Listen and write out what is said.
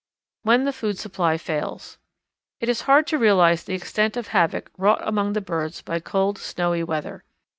When the Food Supply Fails. It is hard to realize the extent of the havoc wrought among birds by cold, snowy weather.